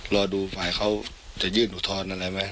รอดูฝ่ายเขาจะยื่นอุทธรณ์อะไรไหม